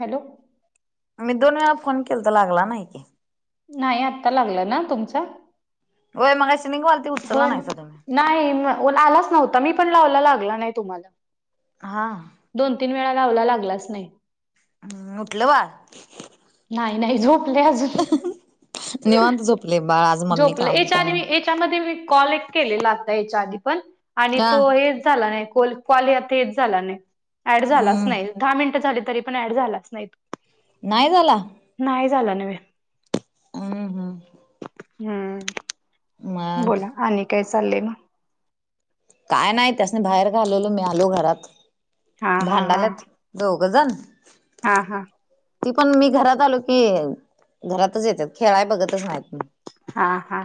Hello मी दोन वेळा फोन केल तर लागला नाही की नाही आत्ता लागलं ना तुमचं होय मगा सिनंगवालती उचलला होय नाही सध मी नाही आलाच नव्हता मी पण लावायला लागला नाही तुम्हाला हा दोन तीन वेळा लावला लागलाच नाही हम्म उठलं वा नाही नाही झोपले अजून निवंत झोपले बा झोपलं एच्या त्यामध्ये कॉल एक केलेला आता याच्या आधी पण आणि आ तो हेच झाला नाही. कॉल आता हेच झाला नाही ऍड झालाच हम्म नाही दहा मिनट झाली तरी पण ऍड झालाच नाही. नाही झाला. नाही झालं ना. [unintelligible] हम्म मग बोला आणि काय चाललंय मग. काय नाही त्यासनी बाहेर घालवल मी आलो घरात हा हा हा भांडणच दोघजन. हा हा. ती पण मी घरात आलो की घरातच येतात खेळाय बघतच नाहीत. हा हा.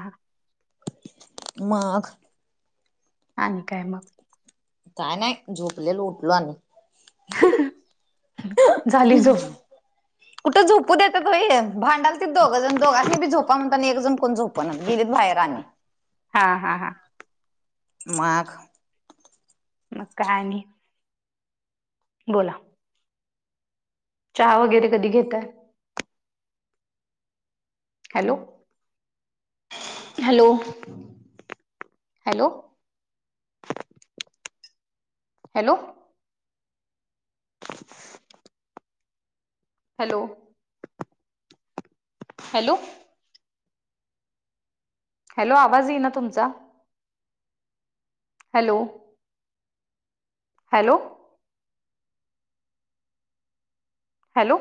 माघ आणि काय मग. काय नाही झोपलेल उठलो आणि्. झाली झोप. कुठं झोपू देत तो हे भांडाल त दोघ जण दोघांनी बी झोपा म्हणता एक जण कोण झोप. ते बघ गेली बाहेर आणि. हा हा हा. माघ मग काय आणि बोला. चहा वगैरे कधी घेताय. Hello. Hello hello. Hello. Hello hello. Hello आवाज येई ना तुमचा. हॅलो. हॅलो. हॅलो.